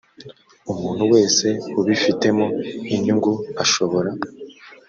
umuntu wese ubifitemo inyungu ashobora